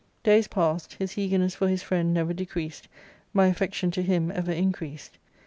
." Days passed ; his eagerness for his friend never decreased ; my affection to him ever increased.